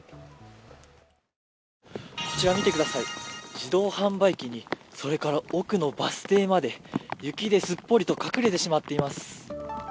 自動販売機に、それから奥のバス停まで、雪ですっぽりと隠れてしまっています。